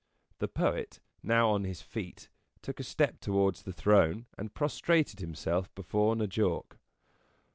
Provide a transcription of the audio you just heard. The Poet, now on his feet, took a step towards the throne and prostrated himself before N' Jawk.